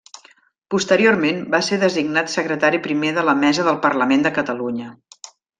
Posteriorment va ser designat secretari primer de la mesa del Parlament de Catalunya.